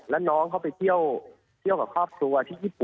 แล้วน้องเขาไปเที่ยว